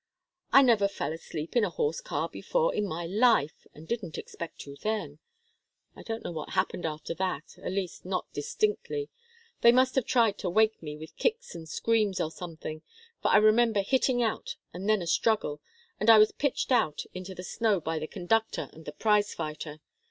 I never fell asleep in a horse car before in my life, and didn't expect to then. I don't know what happened after that at least not distinctly. They must have tried to wake me with kicks and screams, or something, for I remember hitting out, and then a struggle, and I was pitched out into the snow by the conductor and the prize fighter.